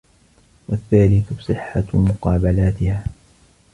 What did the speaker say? وَالثَّالِثُ صِحَّةُ مُقَابَلَاتِهَا